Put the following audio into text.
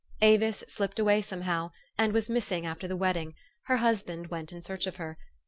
Avis slipped away somehow, and was missing after the wedding : her husband went in search of her.